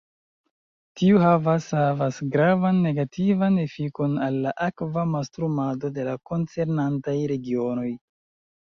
Tiu havas havas gravan negativan efikon al la akva mastrumado de la koncernantaj regionoj.